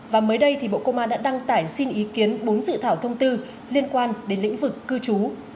và mới đây thì bộ công an đã đăng tải xin ý kiến bốn dự thảo thông tư liên quan đến lĩnh vực cư trú